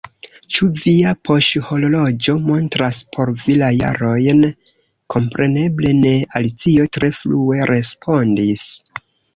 "Ĉu via poŝhorloĝo montras por vi la jarojn?" "Kompreneble ne!" Alicio tre flue respondis.